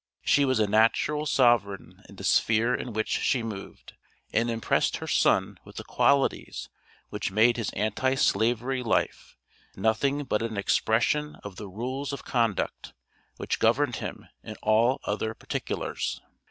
She was a natural sovereign in the sphere in which she moved, and impressed her son with the qualities which made his Anti slavery life nothing but an expression of the rules of conduct which governed him in all other particulars.